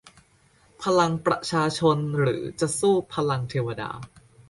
พลังประชาชนหรือจะสู้พลังเทวดา